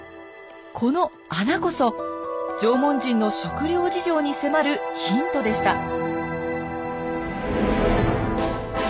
この穴こそ縄文人の食料事情に迫るヒントでした。